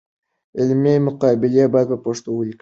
علمي مقالې باید په پښتو ولیکل شي.